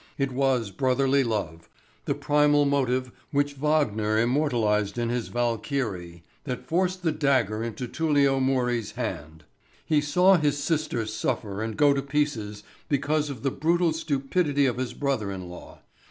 It was brotherly love, the primal motive which Wagner immortalised in his "Valkyrie," that forced the dagger into Tullio Murri's hand. He saw his sister suffer and go to pieces because of the brutal stupidity of his brother in law.